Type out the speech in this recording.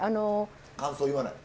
感想言わない？